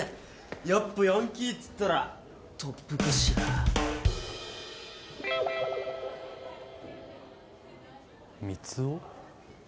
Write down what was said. やっぱヤンキーっつったら特服っしょ。みつを？